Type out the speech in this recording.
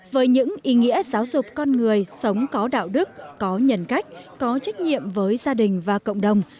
với những ý nghĩa giáo dục con người sống có đạo đức có nhận cách có trách nhiệm với gia đình và cộng đồng